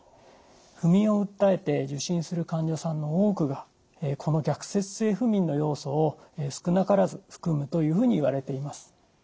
不眠を訴えて受診する患者さんの多くがこの逆説性不眠の要素を少なからず含むというふうにいわれています。